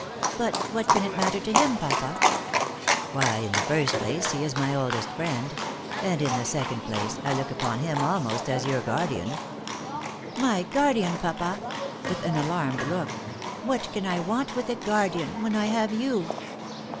" But what can it matter to him, pajja ?"" Why, in the first place, he is my oldest friend ; and in the second place, I look upon him almost as your guardian." " My guardian, papa !" with an alarmed look. " What can I want with a guardian when I have you